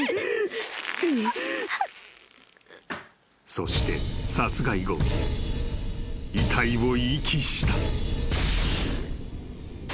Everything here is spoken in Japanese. ［そして殺害後遺体を遺棄した］